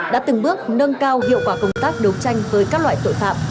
đã từng bước nâng cao hiệu quả công tác đấu tranh với các loại tội phạm